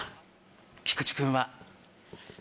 菊地君は？